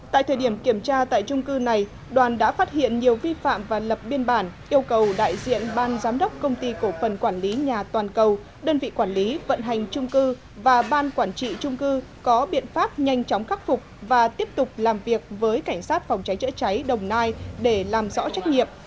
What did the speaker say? tại thời điểm kiểm tra tại trung cư này đoàn đã phát hiện nhiều vi phạm và lập biên bản yêu cầu đại diện ban giám đốc công ty cổ phần quản lý nhà toàn cầu đơn vị quản lý vận hành trung cư và ban quản trị trung cư có biện pháp nhanh chóng khắc phục và tiếp tục làm việc với cảnh sát phòng cháy chữa cháy đồng nai để làm rõ trách nhiệm